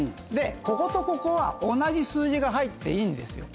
こことここは同じ数字が入っていいんですよ。